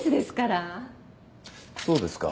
そうですか。